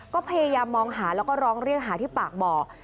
ก็พยายามมองหาแล้วก็ร้องเรียกหาที่ปากบ่อ